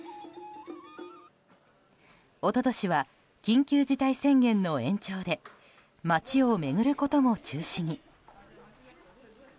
一昨年は、緊急事態宣言の延長で街を巡ることも中止に。